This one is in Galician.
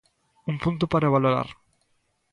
Un punto para valorar.